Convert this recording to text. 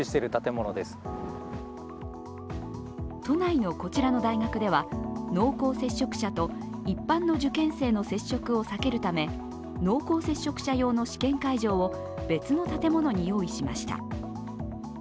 都内のこちらの大学では濃厚接触者と一般の受験生の接触を避けるため濃厚接触者用の試験会場を別の建物に用意しました。